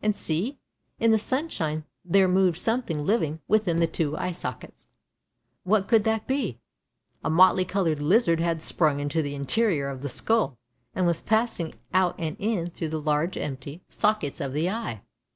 And see! in the sunshine there moved something living within the two eye sockets. What could that be? A motley coloured lizard had sprung into the interior of the skull, and was passing out and in through the large empty PSYCHE 115 sockets of the eye.